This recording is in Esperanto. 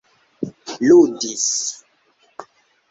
ludis